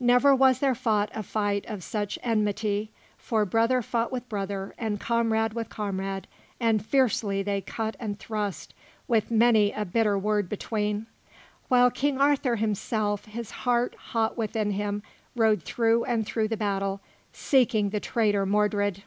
Never was there fought a fight of such enmity; for brother fought with brother, and comrade with comrade, and fiercely they cut and thrust, with many a bitter word between; while King Arthur himself, his heart hot within him, rode through and through the battle, seeking the traitor Mordred.